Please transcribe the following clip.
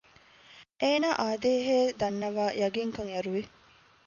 އޭނާ އާދޭހޭ ދަންނަވައި ޔަގީންކަން އެރުވި